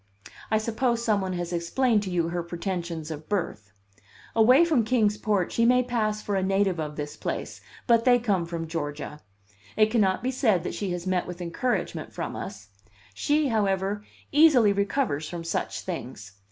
I suppose some one has explained to you her pretensions of birth. Away from Kings Port she may pass for a native of this place, but they come from Georgia. It cannot be said that she has met with encouragement from us; she, however, easily recovers from such things.